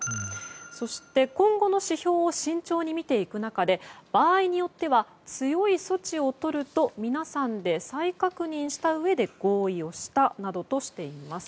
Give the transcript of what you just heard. そして今後の指標を慎重に見ていく中で場合によっては強い措置をとると皆さんで再確認したうえで合意をしたなどとしています。